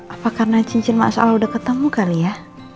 apa karena cincin maksaul udah ketemu kali ya